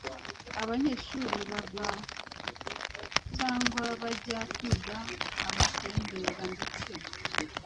abanyeshuri bava cyangwa bajya kwiga, abatembera ndetse